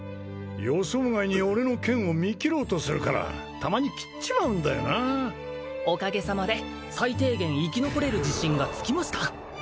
予想外に俺の剣を見切ろうとするからたまに斬っちまうんだよなおかげさまで最低限生き残れる自信がつきました